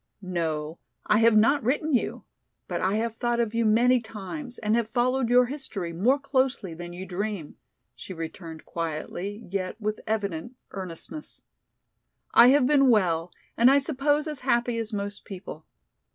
"No, I have not written you, but I have thought of you many times and have followed your history more closely than you dream," she returned quietly, yet with evident earnestness. "I have been well and I suppose as happy as most people.